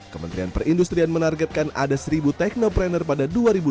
kementerian perindustrian menargetkan ada seribu teknoprener pada dua ribu dua puluh